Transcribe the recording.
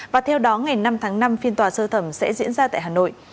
và theo đó ngày năm tháng năm phiên tòa sơ thẩm sẽ diễn ra tại hà nội